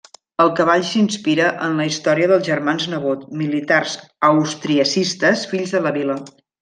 El cavall s'inspira en la història dels germans Nebot, militars austriacistes fills de la vila.